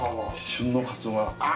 旬のカツオが。